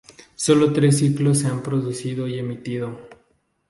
Solo tres ciclos se han producido y emitido.